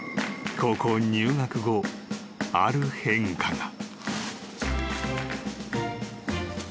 ［高校入学後ある変化が］